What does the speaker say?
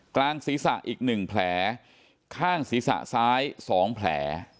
กลางศีรษะอีกหนึ่งแผลข้างศีรษะซ้ายสองแผล